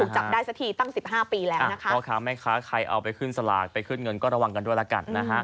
ใช่ถูกจับได้สถีตั้ง๑๕ปีแล้วนะคะ